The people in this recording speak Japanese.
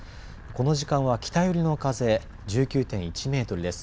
この時間は北寄りの風１９．１メートルです。